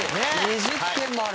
２０点もあるの？